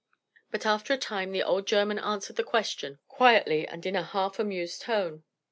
But after a time the old German answered the question, quietly and in a half amused tone.